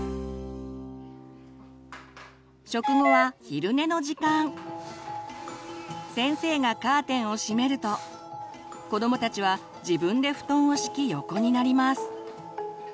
食後は先生がカーテンをしめると子どもたちは自分で布団を敷き横になります。